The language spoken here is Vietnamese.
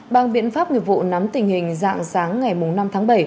bằng biện pháp nghiệp vụ nắm tình hình dạng sáng ngày năm tháng bảy